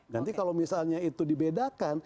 nanti kalau misalnya itu dibedakan